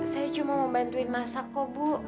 saya cuma mau bantuin masak kok bu